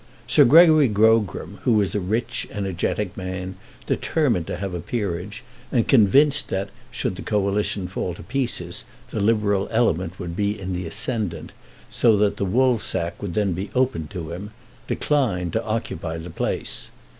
Sir Gregory Grogram, who was a rich, energetic man, determined to have a peerage, and convinced that, should the Coalition fall to pieces, the Liberal element would be in the ascendant, so that the woolsack would then be opened to him, declined to occupy the place.